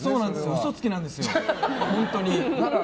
嘘つきなんですよ、本当に。